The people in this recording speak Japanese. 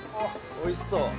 おいしそう。